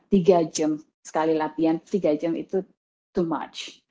tiga jam sekali latihan tiga jam itu too much